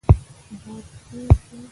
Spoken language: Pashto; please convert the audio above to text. باد تېز و.